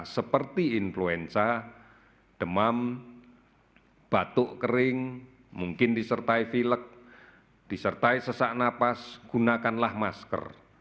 seperti influenza demam batuk kering mungkin disertai vilek disertai sesak napas gunakanlah masker